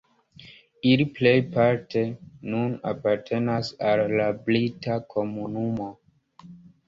Ili plejparte nun apartenas al la Brita Komunumo.